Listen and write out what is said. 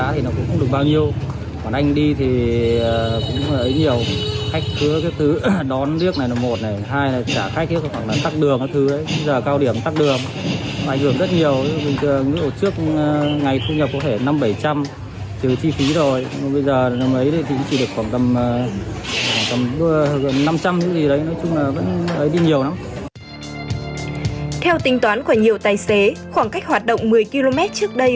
theo tính toán của nhiều tài xế khoảng cách hoạt động một mươi km trước đây